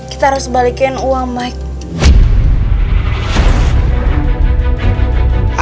kita harus balikin uang mike